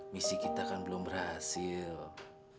misi kita kan belum berhasil